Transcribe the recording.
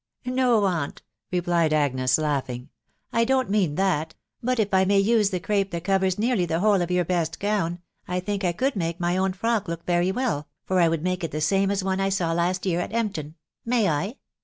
" No, aunt," replied Agnes, laughing, " I don't mean that ; but if I may use the crape that covers nearly the whole of your best gown, I think I could make my own frock look very well, for I would make it the same as one I saw last year atEmpton. May I?"